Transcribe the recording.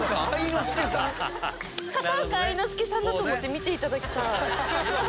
⁉片岡愛之助さんだと思って見ていただけたら。